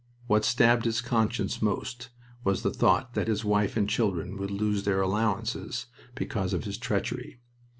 What stabbed his conscience most was the thought that his wife and children would lose their allowances because of his treachery.